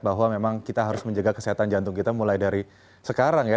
bahwa memang kita harus menjaga kesehatan jantung kita mulai dari sekarang ya